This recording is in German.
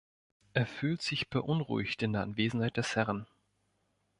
Er fühlte sich beunruhigt in der Anwesenheit des Herren.